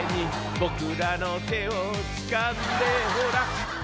僕らの手を掴んでほら